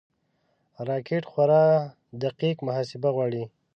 راکټ خورا دقیق محاسبه غواړي